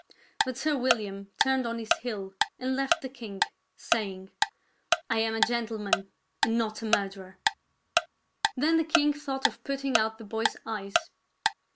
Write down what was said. But Sir William turned on his heel and left the king, saying, " I am a gentleman and not a murderer." Then the king thought of putting out the boy's eyes.